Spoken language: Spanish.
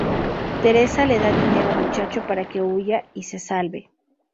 Teresa le da dinero al muchacho para que huya y se salve.